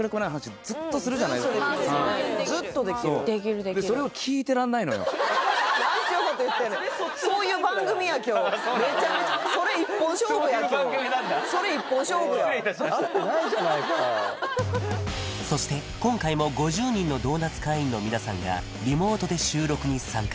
ずっとできるできるできるそれを何ちゅうこと言ってるそういう番組や今日めちゃめちゃそういう番組なんだそれ一本勝負や失礼いたしました合ってないじゃないかそして今回も５０人のドーナツ会員の皆さんがリモートで収録に参加